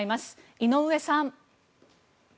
井上さん。